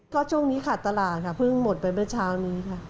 ก็ช่วงนี้ขาดตลาดค่ะเพิ่งหมดไปเมื่อเช้านี้ค่ะ